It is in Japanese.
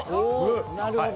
なるほど。